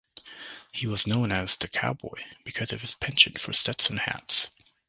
He was known as "the cowboy" because of his penchant for Stetson hats.